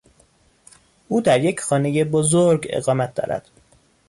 او در یک خانهی بزرگ اقامت دارد.